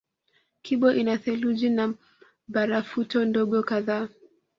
Kibo ina theluji na barafuto ndogo kadhaa